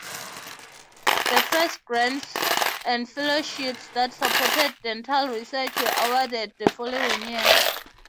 The first grants and fellowships that supported dental research were awarded the following year.